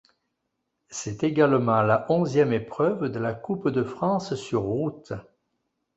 C'est également la onzième épreuve de la Coupe de France sur route.